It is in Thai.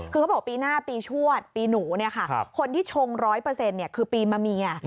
คือเขาบอกปีหน้าปีชวดปีหนูคนที่ชง๑๐๐คือปีมะเมีย